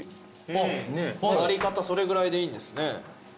割り方それぐらいでいいんですね。